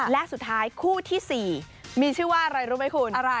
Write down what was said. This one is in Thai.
และสุดท้ายคู่ที่๔มีชื่อว่าอะไรรู้ไหมคุณ